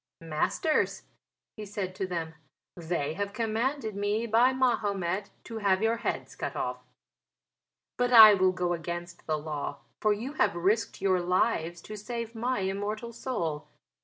"Masters," he said to them, "they have commanded me by Mahomet to have your heads cut off. But I will go against the law, for you have risked your lives to save my immortal soul.